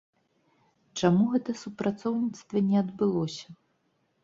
Чаму гэта супрацоўніцтва не адбылося?